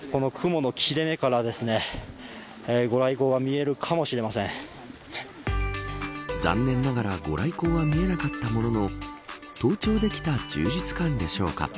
しかし。残念ながら御来光は見えなかったものの登頂できた充実感でしょうか。